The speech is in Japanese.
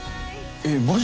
えっマジ？